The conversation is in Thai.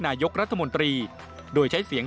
นายกรัฐมนตรีโดยใช้เสียง